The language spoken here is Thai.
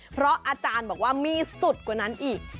เพราะอาจารย์บอกว่ามีสุดกว่านั้นอีก